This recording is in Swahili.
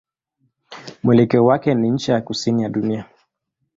Mwelekeo wake ni ncha ya kusini ya dunia.